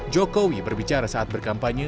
jokowi berbicara saat berkampanye